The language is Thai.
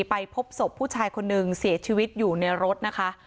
ไปพบศพผู้ชายคนนึงเสียชีวิตอยู่ในรถนะคะ